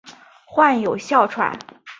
患有哮喘。